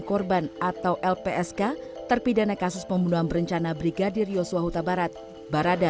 korban atau lpsk terpidana kasus pembunuhan berencana brigadir yosua huta barat barada